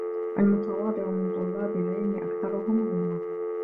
الْمُتَوَاضِعُ مِنْ طُلَّابِ الْعِلْمِ أَكْثَرُهُمْ عِلْمًا